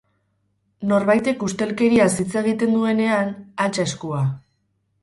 Norbaitek ustelkeriaz hitz egiten duenan, altxa eskua.